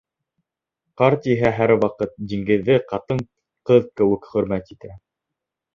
Ҡарт иһә һәр ваҡыт диңгеҙҙе ҡатын-ҡыҙ кеүек хөрмәт итә.